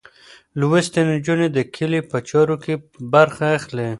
لوستې نجونې د کلي په چارو کې برخه اخلي.